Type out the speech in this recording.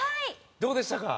どうでしたか？